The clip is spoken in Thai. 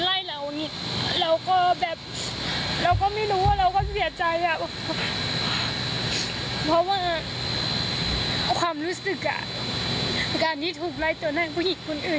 มันเสียใจมันเสียใจมากเสียใจอะค่ะพี่